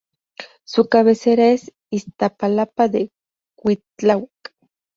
Su cabecera es Iztapalapa de Cuitláhuac.